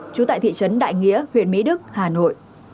trú tại thị trấn đại nghĩa huyện mỹ đức hà nội